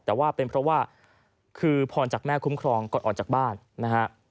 แต่ว่าเป็นเพราะว่าคือพรจากแม่คุ้มครองก่อนออกจากบ้านนะฮะ